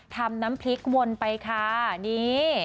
น้ำพริกวนไปค่ะนี่